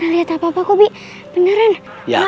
lihat apa apa kobi beneran ya